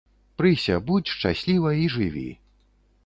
Прыся, будзь шчасліва і жыві.